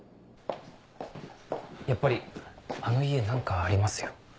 やっぱりあの家何かありますよ。